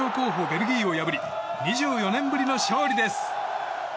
ベルギーを破り２４年ぶりの勝利です。